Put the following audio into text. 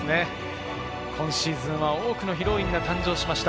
今シーズンは大きくヒロインが誕生しました。